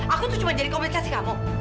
aku tuh cuma jadi kompensasi kamu